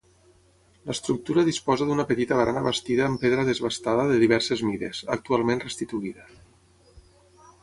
L'estructura disposa d'una petita barana bastida amb pedra desbastada de diverses mides, actualment restituïda.